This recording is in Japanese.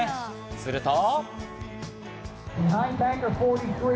すると。